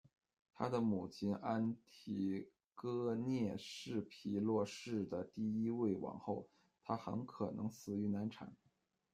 她的母亲安提戈涅是皮洛士第一位王后，她很可能死于难产。